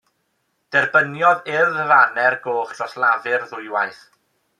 Derbyniodd Urdd y Faner Goch dros Lafur ddwywaith.